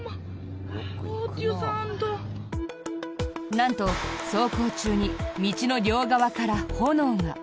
なんと、走行中に道の両側から炎が。